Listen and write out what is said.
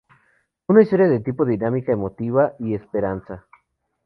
Una historia de tipo dinámica, emotiva y esperanza